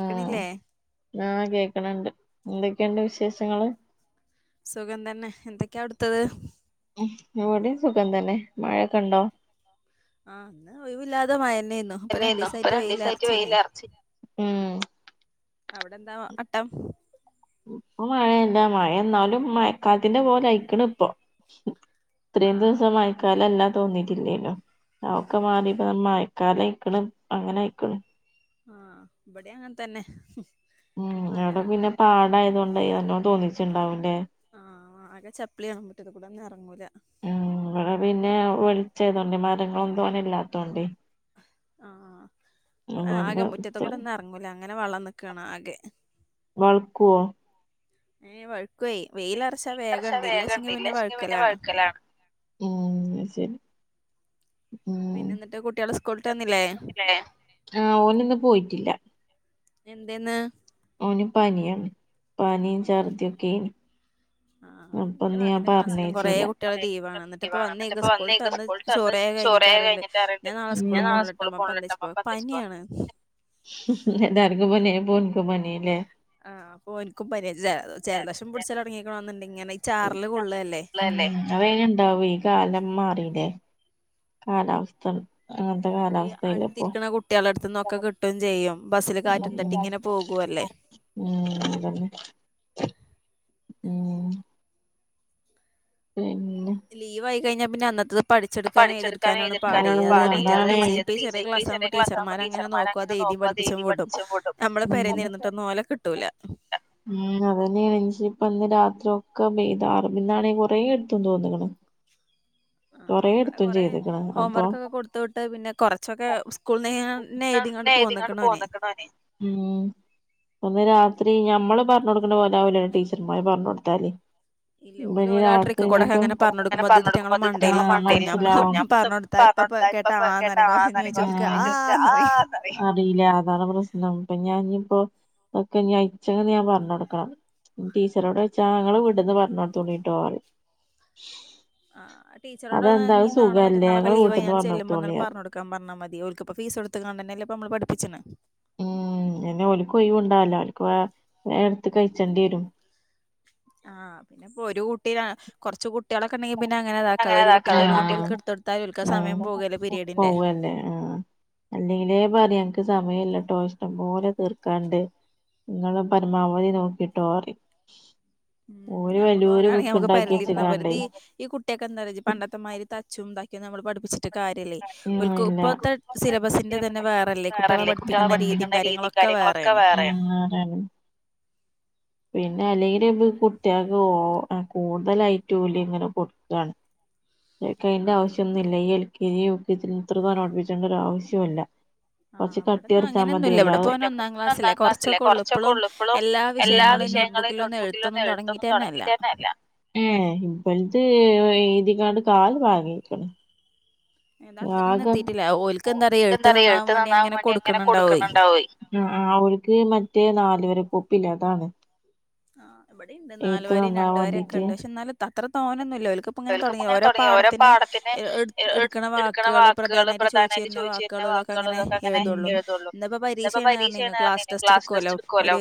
ആ ഞാ കേക്ക്ണ് ണ്ട് എന്തൊക്കെയുണ്ട് വിശേഷങ്ങള് സുഖം തന്നെ എന്തൊക്കെയാ അവിട്ത്തത് ഇബടിം സുഖം തന്നെ മഴൊക്കെണ്ടോ ആഹ് ഇന്ന് ഒഴിവില്ലാതെ മഴെന്നേര്ന്നു ഇപ്പൊ രണ്ടീസായിട്ട് വെയിലറച്ചീനി അവിടെ എന്താ അട്ടം ഇപ്പം മഴല്ലാ മഴ എന്നാലും മഴക്കാലത്തിന്റെ പോലായിക്ക്ണ് പ്പം ഇത്രയും ദിവസം മഴക്കാലല്ലാ തോന്നീയിട്ടില്ലേല്ലോ അതൊക്കെ മാറിയപ്പം താ മഴക്കാലായിക്ക്ണ് അങ്ങനെ ആയിക്ക്ണ് ആഹ് ഇവടെം അങ്ങനെ തന്നെ ഉം അവിട പിന്നെ പാടായതൊണ്ട നല്ലോം തോന്നിച്ച്ണ്ടാവുല്ലേ ആ ആകെ ചപ്പളിയാണ് മുറ്റത് കൂടെ ഒന്നും എർങ്ങൂല ഉം ഇവടെ പിന്നെ വെളിച്ചേതോണ്ട് മരങ്ങളൊന്നും അങ്ങനെ ഇല്ലാത്തോണ്ടയ് ആ ആകെ മുറ്റത്തെ കൂടെ ഒന്നും എർങ്ങൂല അങ്ങനെ വെള്ളം നിക്കാണ് ആകെ വൾക്കോ ഏ വഴുക്കൊയ് വെയിലറച്ചാ വേഗ ഇണ്ട് ഇല്ലച്ചെങ്കി പിന്നെ വഴുക്കലാണ് ഉം ശരി ഉം ആ ഓന് ഇന്ന് പോയിട്ടില്ല എന്തെന്ന് ഓന് പനിയാണ് പനിം ചർദിയൊക്കേനി ആ ആ ന്റെ മകന്റെ ക്ലാസ്സിലും കുറെ കുട്ടികള് ലീവണ് എന്നിട്ടിപ്പ വന്നേക്ക് സ്കൂള്ട്ട് വന്ന് ചോറഴി ഒക്കെ കിഞ്ഞിട്ട് അർ ണ്ട് ഞാൻ നാളെ സ്കൂള് പോണലിട്ടമ്മ അപ്പൊ എന്തച്ചപോ പനിയാണ് എല്ലാർകും പനിയായപൊ ഓർക്കും പനിയായില്ലേ ആ അപ്പോൻക്കും പനി ജ ജലദോശം പുടച്ചലൊട്ങ്ങിക്ക്ണോന്നിണ്ട അതന്നെ അതയ്ന് ഇണ്ടാവുയ് ഈ കാലം മാറില്ലേ കാലാവസ്ഥാണ് പിന്നെപ്പൊ അടുത്തിരിക്കണ കുട്ടികള അടുത്തന്നൊക്കെ കിട്ടും ചെയ്യും ഉം ഉം ഉം അതന്നെ ഉം ലീവ് ആയി കഴിഞ്ഞാൽ പിന്നെ അന്നത്തെത് പഠിച്ചെടുക്കാനും എഴുതിടുക്കാനാണ് പാടയ് അത് മറ്റേത് ടീച്ച ഇപ്പോ ഈ ചെറേ ക്ലാസ് ആകുമ്പോ ടീച്ചർമാർ അങ്ങനെ നോക്കു അത് എഴ് തിം പഠിപ്പിച്ചും വുടും നമ്മളെ പെരേന്ന് ഇരുന്നിട്ടൊന്നും ഓലെ കിട്ടൂല ഉം അതന്നെണ് ൻഷിം അപ്പ അന്ന് രാത്രി ഒക്കെ വെയ്താറ് ഇന്നാണെ കൊറേ ട്ത്തും തോന്ന്ക്ക്ണ് ആ ഇവടെ കെറേ ഹോംവർകൊക്കെ കൊടുത്ത് വിട്ട പിന്നെ കൊറച്ചൊക്കെ സ്കൂൾന്നെ ഞാ എഴുതികാ ന്നന്നെ എഴുതികാണ്ട് പോന്ന്ക്ക്ണ് ഓന് ഉം ഒന്ന് രാ അത്രീ ഞമ്മള് പറഞ്ഞൊട്ക്ക്ണെ പോലെ ആവൂലാ ടീച്ചർമാര് പർഞ്ഞൊട്ത്താല് ഇബന് രാത്രി ഇഞ്ഞിപ്പം പറഞ്ഞടുക്കുമ്പോ അത് ആ മൻസിലാവും ആ അറിയില്ല അതാണ് പ്രശ്നം ഇപ്പൊ ഞാൻ ഇപ്പോ ഒക്കെഞ്ഞ് അയിച്ചങ്ങ് ഞാൻ പർഞ്ഞൊടുക്കണം ടീച്ചറോട് വെച്ചാ ഞങ്ങള് വീട്ന്ന് പറഞ്ഞൊട്തോളിട്ടോ അറിം ആ ടീച്ചറോട് [unintelligible] നാളെ മറ്റന്നാളൊക്കെ ലീവായി ഞാൻ ചെല്ലുമ്പൊന്നാണ്ട് പർഞ്ഞൊട്ക്കാൻ പറഞ്ഞാ മതി ഓൽക്കിപ്പോ ഫീസൊട്ത്കാണ്ടന്നെ ല്ലെ പ്പൊ നമ്മൾ പഠിപ്പി പിച്ച്ണ് ഉം എന്നെ ഓലക്കൊയ്വ്ണ്ടാവുല്ല ഓൽക്ക് വേ വേം ഇട്ത്ത് കഴിച്ചേണ്ടിയരും ആ പിന്നെപ്പോ ഒരു കുട്ടി കുറച്ചു കുട് കുട്ടികളൊക്കെണ്ടെങ്കി പിന്നെ അങ്ങനെ അതാക്കാതെ ഒരു കുട്ടിക്ക് ഒന്നാകുമ്പോ ഓൽകിടുത്തടുത്താല് ഓൽക്കാ സമയം പോകല്ലേ പീരീയഡിന്റെ അല്ലെങ്കിലേ പറയാ എനിക്ക് സമയല്ലട്ടോ ഇഷ്ടം പോലെ തീർക്കാണ്ട് ഇങ്ങള് പരമാവധി നോക്കിട്ടോ അറിം ഓര് വല്യാരു ബുക്ക് ഇണ്ടാക്കിയച്ച്ക്കാണ്ടേ ഈ കുട്ടിയൊക്കെന്താറിയോജ് പണ്ടത്തെ മാരി തച്ചും താക്കിയും ഒന്നും നമ്മള് പഠിപ്പിച്ച് ട്ട് കാര്യല്ലയ് ഓൽക്ക് ഇപ്പത്തെ സിലബസിന്റെ തന്നെ വേറെല്ലേ കുട്ടികളെ പഠിപ്പിക്ക്ണ രീതിം കാര്യങ്ങളൊക്കെ കാര്യങ്ങളൊക്കെ വേറെണ് പിന്നെ അല്ലെങ്കിൽ കുട്ടികൾക്ക് ഓ കൂടുതലായിറ്റൂലി ഇങ്ങനെ കൊടുക്കാണ് ശരിക്ക് അയിന്റെ ആവശ്യന്നുല്ല ഈ L K G U K G ഇത്രതോനെ പഠിപ്പിച്ചണ്ട ഒരാവുസ്യുല്ല കുറച്ച് കട്ടി ഒർച്ചാ മതിയല്ലോ അത് [unintelligible] ഒന്നാം ക്ലാസ്സല്ലേ കുറച്ചൊക്കെ ഉള്ളുപ്പളും എല്ലാ വിഷയങ്ങളെ നോട്ട്ബുക്കിലൊന്നും എഴുത്തൊന്നും തുടങ്ങിട്ട് തന്നെ അല്ല ഏ ഇപ്പഴ്ത്തെ എഴുതിക്കാണ്ട് കാല് മാങ്ങിക്ക്ണ് ആകെ തെന്താറിയോ എഴ്ത്ത് നന്നാവാൻ മാണ്ടി അങ്ങനെ കൊട്ക്ക്ന്ന്ണ്ടാവേ ആ അവര്ക്ക് മറ്റേ നാല് വര കാേപ്പില്ലേ അതാണ് ആ ഇബടിണ്ട് നാല് വരും രണ്ട് വരിംക്കെണ്ട് പക്ഷെ ന്നാലും തത്രെ തോനെന്നു ല്ല കൽക്കിപ്പങ്ങനെ തൊടങ്ങിയ ഓരോ പാടത്തിന് എ ഇ ഇട്ക്ക്ണ വാക്ക്കൾ പ്രധാനായിട്ട് ചോദിച്ചെര്ന്ന വാ ക്കള് ഇതൊക്കെ അങ്ങനെ എഴുതുള്ളൂ ഇന്ന്പ്പോ പരീക്ഷേണ്ർഞ്ഞീനു ക്ലാസ് ടെസ്റ്റ്ട്ക്കോല്ലോ ഒര്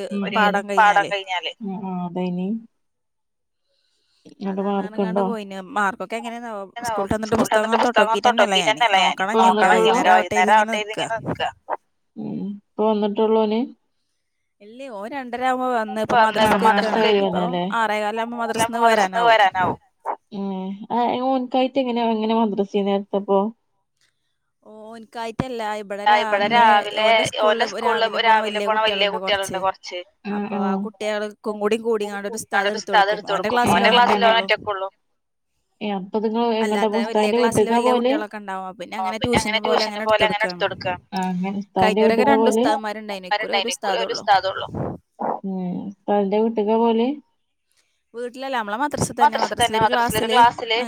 പാടാ കഴിഞ്ഞാല് ഉം അ അതെനി ന്നട്ട് മാർക്ക്ണ്ടോ ലോ സ്കൂളിൽട്ടന്ന്ട്ട് പുസ്തകം തൊട്ടോക്കീട്ടെന്നല്ല ഞാന് [unintelligible] വൈക്ന്നേരാകട്ടെര്തി പ്പക്ക ഉം പ്പ വന്നിട്ടാെള്ളാേന് ഇല്ലേ ഓരൺ ണ്ടരാവുമ്പോ വന്ന് ഇപ്പ മദ്റ്സ്ക്കൊയ്ക്കാണ് ഇഞ്ഞ്പ്പം ആറേകാലാകുമ്പോ മദ്റ്സ്ന്ന് വരാനാവും ഏ അ എ ഓൻകായ്ട്ടെങ്ങെനാ ഇങ്ങനെ മദ്രസീ നേര്ത്തപ്പോ ഓൻകായ് ട്ടല്ല ഇബ്ടെ രാവിലെ ഓന്റെ സ്കൂൾല് രാവിലെ പോണ വല്യ കുട്ട്യേൾണ്ട് കൊർച്ച് അ അപ്പൊ ആ കുട്ട്യാള്ക്കും കൂടി കൂടിങ്ങിണ്ട് ഒര് ഉസ്താദ് എട്ത്തൊട്ക്കും ഓന്റെ ക്ലാസ്സിലോനൊറ്റക്കാെള്ളൂ ഏ അപ്പൊത്ങ്ങള് എങ്ങട്ടാ അപ്പ ഉസ്താദ് ന്റെ വിട്ട്ക്കാ പോകല് അങ്ങനെ ട്യൂഷന് പോലെ അങ്ങനെട് ത്തൊട്ക്ക അങ്ങനെ ഉസ്താദ്ന്റെ വീട്ട്ക്കാ പോവല് [unintelligible] ഇക്കുറി ഒര് ഉസ്താദൊള്ളു ഉം സ്താദ്ന്റെ വീട്ട്‌ക്കാ പോവല് വീട്ടിൽല്ല അമ്മളെ മ മദ്രസ് തന്നെ മദ്രസ് ലൊര് ക്ലാസ്സ്ല്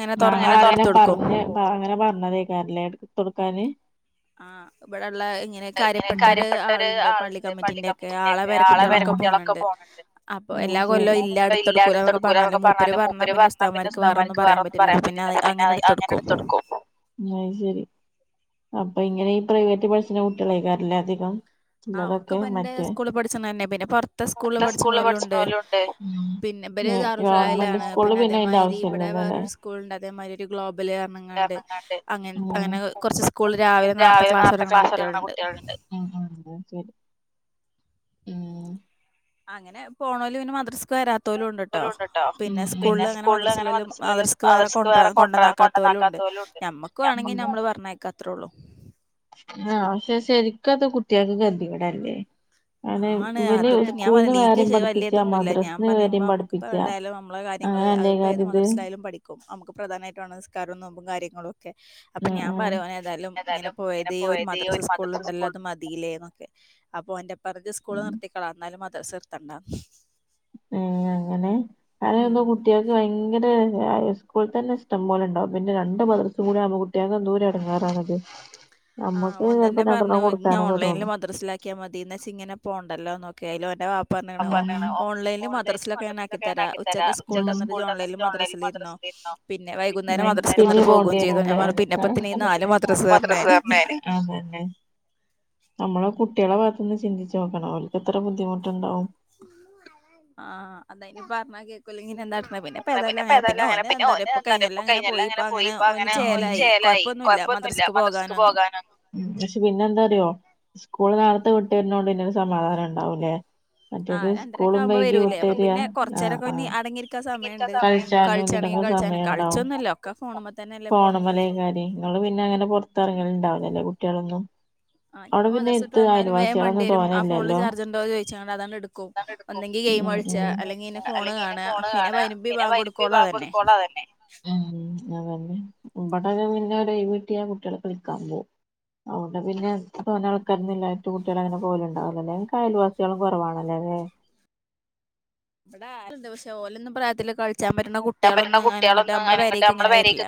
പറഞ്ഞ് അങ്ങനെ പറഞ്ഞതേക്കാരല്ലേ ട്‌തൊട്ക്കാന് ആ ഇബ്ടെള്ള ഇങ്ങനെ കാര്യപ്പെട്ട ഒര് ആള്ണ്ട് പള്ളി കമ്മിറ്റീന്റെക്കെ ആളെ പേരക്കുട്ട്യൊളൊ ക്കെ പോണ് ണ്ട് അപ്പൊ എല്ലാ കൊല്ലവും ഇല്ല ട്ത്താെട്ക്കൂലാന്നൊക്കെ പറഞ്ഞാലും മൂ പ്പര് പറഞ്ഞാ പിന്നെ ഉസ്താമാര്ക്ക് വേറൊന്നും പറയാൻ പറ്റില്ല അപ്പ പിന്നെ അയ് അങ്ങനെട്ത്താെട്ക്കും അപ്പൊ ഇങ്ങനെ ഈ പ്രൈവറ്റ് പഠിച്ച്ണ കുട്ട്യാളെയ്ക്കാരംല്ലെ അധികം ആ ഒക്കെബന്റെ സ്കൂള് പട്ച്ച്ണന്നെ പിന്നെ പൊർത്തെ സ്കൂൾല് പഠിച്ച്ണാേലുംണ്ട് പിന്നെ ബര് ദാറുൽ ഫി പായ്ലാണ് പിന്നെ അതേമായ്രി ഇബടെ വേറൊരു സ്കൂൾണ്ട് അതേമായ്രി ഒര് ഗ്ലോബല്ർഞ്ഞ്ങ്ങാണ്ട് അങ്ങ അങ്ങനെ കൊർച്ച് സ്കൂള് രാവ് ലെ നേർത്തെ ക്ലാസാെട്ങ്ങ്ണെ കുട്ട്യേള്ണ്ട് ശെരി അങ്ങനെ പോണോല് പിന്നെ മദ്രസ് ക്ക്‌ വരാത്തോലുണ്ട്ട്ടോ പിന്നെ സ്കൂൾല്ങ്ങനെ മദ്രസ്ള്ളലും മദ്രസ്ക്ക് വേറെ കൊണ്ട കൊണ്ടന്നാക്കാത്തോ ലംണ്ട് ഞമ്മക്ക് വാണെങ്കി ഞമ്മള് പറഞ്ഞയക്ക അത്രൊള്ളു ആ ക്ഷെ ശരിക്കത് കുട്ട്യേൾക്ക് കെത്യേടല്ലേ ആണ് അതിപ്പോ ഞാൻ പറ്യ നീക്ക്യച്ച് വല്യതൊന്നുല്ല ഞാൻ പറിമ്പോ അമക്ക്പ്പോ എവിടായാലും നമ്മളെ കാര്യ ങ്ങള് അത്പ്പോ ഏത് മദ്ർസ്സ്ലായാലും പഠിക്കും നമുക്ക് പ്രാധാനായിട്ട് വേണ്ട നിസ്കാരും നോമ്പും കാര്യങ്ങളും ക്കെ അപ്പ ഞാൻ പറയ ഏതാലും ഇങ്ങനെ പോയത് ഈ ഒര് മദ്രസ സ്കൂള്ണ്ടല്ലോ ത് മതീല്ലെന്നൊക്കെ അപ്പൊ ഓന്റെപ്പ പറഞ്ഞ് സ്കൂള് നിർത്തിക്കളാ ന്നാലും മദ്റസ്ർസ് നിർത്തണ്ടാന്ന് ഏ അങ്ങനെ അയ്നക്കെ കുട്ട്യാക്ക് ഭയങ്കര എ ഇസ്കൂൾത്തന്നെ ഇഷ്ടം പോലെണ്ടാവും പിന്നെ രണ്ട് മദ്ർസും കൂടി ആകുമ്പ കുട്ട്യേക്കെന്തോര് എടങ്ങേറാണത് ആ ഒൻതന്നെ പറഞ്ഞ് ഇന്നെ ഓൺലൈനിൽ മദ്ർസിലാക്കിയാ മതി ഇന്നാച്ചിങ്ങനെ പോ ണ്ടല്ലോന്നൊക്കെ അയ്ലോന്റെ വാ പ്പ പർഞ്ഞ്ണ് ഓൺലൈൻല് മദ്റസ് ലൊക്കെ ഞാനാക്കിതരാ ഉച്ചക്ക് സ്കൂൾട്ടെന്ന്ട്ട് ഇജ് ഓൺലൈൻല് മദ്റസ് ല്ര്ന്നോ പിന്നെ വൈകുന്നേരം മദ്റസ്ക്ക്ന്നട്ട് പോകുകയും ചെയ്താേ ഞാ പറ പിന്നെപ്പത്ത്നാ ഈ നാല് മദ്റസ് അർഞ്ഞാന് അതന്നെ നമ്മളെ കുട്ടികളെ ഭാഗത്തുന്ന് ചിന്തിച്ചച്ച് നോക്കണം അവർക്ക് എത്ര ബുദ്ധിമുട്ടുണ്ടാവും ആ അതയ്ന് പറഞ്ഞാ കേക്കൂല്ലെങ്കിന്നെന്താ എന്നാ പിന്നെ ഇപ്പോൾ തായാല അങ്ങനെ പിന്നെ ഒെ എന്ത പറയ ഇൾ കഴിഞ്ഞല്ലാം അനെ പോയിപ്പോൾ അങ്ങനെ ഒന് ചേലായി കുഴപ്പമന്നുമില്ല പോകാന പക്ഷെ പിന്നെ എന്താറോ സ്കൂള് നേരത്തെ വിട്ട് വരുന്നോണ്ട്പിന്നെ ഒരു സമാധാനം ഉണ്ടാവൂലേ മറ്റേത് സ്കൂളും വൈകി വിട്ടാറാ ആഹ ആഹ കഴിച്ചാലും ഇതിക്കെ സമയം ഉണ്ടാവും ഫോണമലക്കാര്യ ഇങ്ങൾ പിന്നെ അങ്ങനെ പുറത്ത്റങ്ങലിണ്ടാവില്ലല്ലേ കുട്ടികളൊന്നും ഇനീപ്പോ മദ്രസ്സ വിട്ടാന്നാലും വേ മണ്ടി വരും ആ ഫോണില് ചാർജ് ഉണ്ടോ ചോദിച്ചാണ്ട് അതാണ്ട് എടുക്കും ഗെയിം കളിച്ച അല്ലെങ്കിൽന്നെ ഫോൺ കാണ പിന്നെ പിന്നെ മഗ്‌രിബ് ബാങ്ക് കൊടുക്കോളും അതന്നെ അതന്നെ ഇവിടേക്കെ പിന്ന ഒരായിവ് കിട്ടിയാൽ കുട്ടികൾ കളിക്കാൻ പോവും അവിടെ പിന്നെ തോനആൾക്കാരൊന്നുംഇല്ലാത്തോണ്ട് കുട്ടികൾ കളിക്കാനൊന്നും പോകലുണ്ടാവൂലഇങ്ങൾക്ക് അയൽവാസികൾ കുറവാണെലെ ഇടെ പക്ഷെ ഓലൊന്നും പ്രായത്തിലൊക്ക കളിച്ചാൻ ബര്ണ കുട്ടികളൊന്നും അന ഇങ്ങട്ട് നമ്മളെ പെരേകങ്ങനെ വരില്ല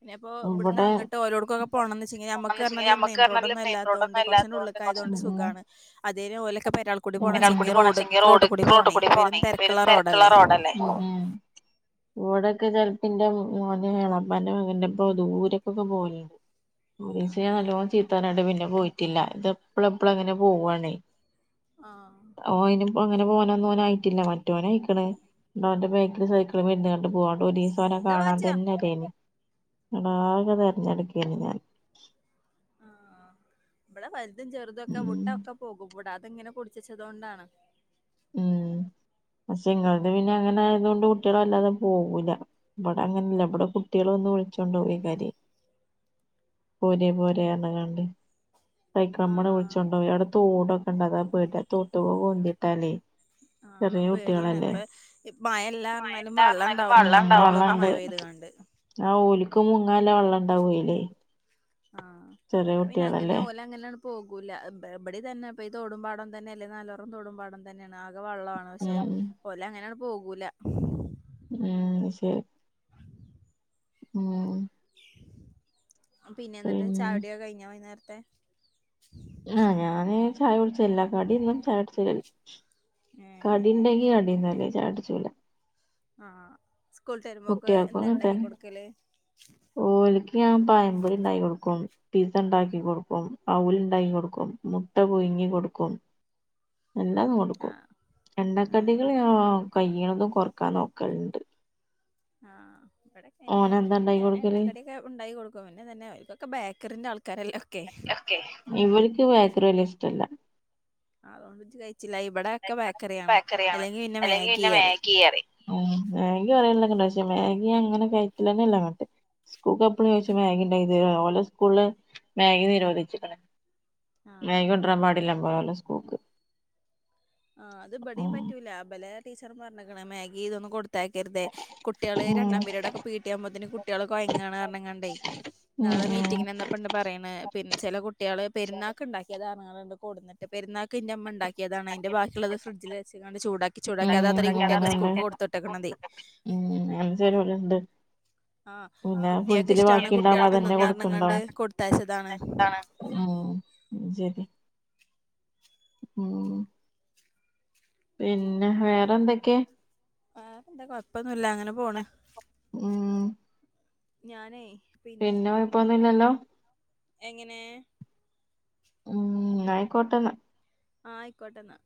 പിന്നെപ്പോ ഇവിന്ന്ങ്ങട്ട് ഓരോടുക്കൊക്കെ പോണം ന്ന് ചെങ്കെ നമുക്ക് പറഞ്ഞല്ല മെയി റോഡൊന്നുംല്ലാത്തണ്ട് കൊറച്ചാണ്ട് ഉള്ളകയൊണ്ട്.. അതോണ്ട് സുഖണ്. അതേ രോലൊക്കെ പരാൾ കൂടി പോണച്ചെങ്കെ റോ്ഡ്റോട്ടുകൂടെ പോണേ പേരും തെര ക്കുള്ള. റോഡ ള്ള റോഡല്ലേ ക് ചെലപ്പന്റെ മോനെ എളാപ്പാന്റെ മകന്റെപ്പ ദൂരൊക്കെ ഒക്കെ പോലുണ്ട്.. ഒരീസം നല്ലോണം ചീത്താനണ്ട് പിന്നെ പോയിട്ടില്ല ഇത് എപ്പള എപ്പള അങ്ങനെ പോവാണേ ആഹ.. അപ്പൊ അങ്ങനെ പോകാന് ഒന്നും ആയിട്ടില്ല മറ്റൊനായികണ്. ഓന്റെ ബൈക്കിൽ സൈക്കിളിമ്മേ ഇരുന്നാണ്ട്. പോണ്ടേ ഓര് കുറച്ചേരം കാണാൻ തന്നെഇല്ലേരുന്നു എനിട്ട് അകെ തിരഞ്ഞെടകേരുന്നു. ഞാൻ... ആ, ഇവിടെ, വലുതു. ചെറുതു. ക്കെ. വുട്ടാക്കെ പോകു വിട... തെങ്ങനെ പുടിച്ചചത്തോണ്ടാണ്.. ഉം.. പക്ഷേ ഇങ്ങള്ത് പിന്നെ അങ്ങനെ ആയതോണ്ട് കുട്ടിള് വല്ലാതെ പോവുല്ല ഇബടെങ്ങനല്ല ഇവിടെ കുട്ട്യോൾ ഇവിടെ വന്നു വിളിച്ചോണ്ടോ ഈ കാര്രി പോരെ. പോരെ. പറഞ്ഞക്കാണ്ട്.. സൈക്ളമൽ വിളിച്ചോണ്ട് അവിടെ തോട് ഒക്കെണ്ട് ആ തൊട്ടിക്കൊക്കെ ഉന്തിട്ടാൽ ആ, പേടിയാണ് ഇപ്പൊ ഹ്. മയ ഇല്ല്യർന്നു റഞ്ഞാലും വള്ളണ്ടാവും. അപ്പള് പള് മഴ പെയ്ത്കാണ്ട്... അതെ ആ. ഓല്ക്ക് മുങ്ങാനുള്ള വെള്ളം ഉണ്ടാകും അയിൽ ആഹ്. ആ. പിന്നെ. അങ്ങനെ. ഓല അങ്ങന പോകൂല്ല. ബെ. ബെടിന്നെ അപ്പ ഈ തോടും പാടം തന്നെ അല്ലെ നാലോറം തോടും പാടം തന്നെ ന്നാ. ആകെ വള്ളാണ്. പശേ ഒല് അങ്ങനെയാണ്ട്. പോകൂല.. ഏ. ശരി... ഉം,, പിന്നെ എന്നിട്ട് ചായൊടി കഴിഞ്ഞാ വൈന്നേരത്തെ ആഹ ഞാന് ചായൊടിചില്ല. കടിന്നും ചായ കുടിച്ചിലെലും.. കടിണ്ടങ്കി കടി തിന്നും അല്ലങ്കിൽ ചായ കുടിച്ചൂല. ആഹ സ്കൂള്ട്ട്. വരുമ്പോക്ക് എന്താ ണ്ടാക്കി കൊടുക്കല് ഓൽക്. ഞാൻ പായംപൊരി ഉണ്ടായി കൊടുക്കും. പ്പി.. ഉണ്ടാക്കി കൊടുക്കും അവുൽ ഉണ്ടാക്കി കൊടുക്കും മുട്ട പുഴുങ്ങി കൊടുക്കും.. എല്ലാതും കൊടുക്കും എണ്ണക്കടികള് ഞാൻ കൈ്യണതും കൊറക്കാൻ നോക്കലണ്ട് ആഹ.. ഇവിടെക്ക. അയന്നെ ഞാൻ എണ്ണകടികെ ഉണ്ടായി കൊടുക്കും പിന്നെ. ഇതന്നെ. അവർക്കൊക്കെ ബേക്കറിന്റെ ആൾ ടാക്. ഇവർക്ക് ബേക്കറി വല്യഷ്ടല്ല അതോണ്ട്. ഇജ്. കേയ് ഇവിടെ ബേക്കറിയാണ് അല്ലെങ്കി പിന്നെ മാഗി യറി. മ്മ്. മെഗിറിയൽ.. ഷേ മാഗി അങ്ങനെ കഴറ്റലന്നെല്ല അങ്ങാട്ട് സ്കൂൾകപ്പിള്. ചോയ്ച്ചും മാഗിണ്ടാക്കി തരോ ഓലോ സ്കുള് മാഗി നിരോധിച്ചിക് ണ്. മാഗി കൊണ്ടരാൻ പാടില്ല പോലും ഒലെ സ്കൂ ആ, അത്. ഇബടിം. പറ്റൂല ബലെ ടീച്ചറും പറണക്കണ മാഗി ഇതൊന്നും കൊടു ത്താക്കരുതെ. കുട്ടിള് രണ്ടാം പിരിടൊക്കെ പീട്ടി ആകുബോതിന് കുട്ടിൾ കൊയങ്ങ്ണ് പറഞ്ഞ്ങ്ങാണ്ട് നാൾ. മീറ്റിങ്ങിനെന്നപണ്ട് പറയണ് പിന്നെ ചെല കുട്ടിള് പെരുന്നാക്ക് ഉണ്ടാക്കിയതാ.. ട് [unintelligible] പെരുന്നക് ന്റെമ്മണ്ടാക്കിയതാ അയിന്റെ ബാക്കിള്ളത് ഫ്രിഡ്ജിലെച്ചക്കണ്ടു ചൂടാക്കി ചൂടാക്കി അതാതറെ ഈ കുട്ടിയൊക് സ്കൂൾക്ക് കൊടുത്തുട്ടേക്കുന്നത് അങ്ങനെ ചെലോല് ഉണ്ട് ഇങ്ങനെ ഫ്രിഡ്ജില് ബാക്കിണ്ടാവുമ്പോ അതന്നെ കൊടുക്കണ്ടാവും ഉം മ്മ്. ശരി ഉം പിന്നെ. വേറെന്തൊക്കെ വേറെ എന്താ കൊഴപ്പൊന്നുംല്ല അങ്ങനെ പോണ് ഞാന് പിന്നെ കെയ്പ്പൊന്നും ഇല്ലല്ലോ എങ്ങനെ ഉം ന്നാ ആയിക്കോട്ടെന്നാ ആ ആയിക്കോട്ടെന്നാ